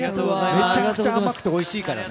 めちゃくちゃ甘くておいしいからね。